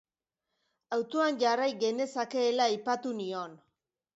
Autoan jarrai genezakeela aipatu nion.